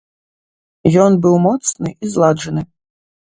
Ён быў моцны і зладжаны.